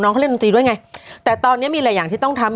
เขาเล่นดนตรีด้วยไงแต่ตอนนี้มีหลายอย่างที่ต้องทำ